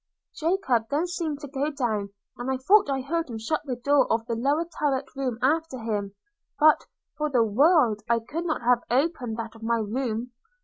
'Jacob then seemed to go down; and I thought I heard him shut the door of the lower turret room after him; but, for the world, I could not have opened that of my room.